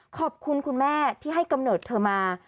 ขอบคุณคุณแม่ที่ให้กำเนิดเธอมา